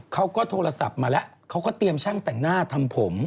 เขาก็โทรศัพท์มาแล้วเขาก็เตรียมช่างแต่งหน้าทำผม